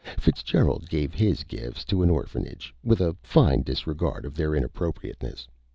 Fitzgerald gave his gifts to an orphanage, with a fine disregard of their inappropriateness.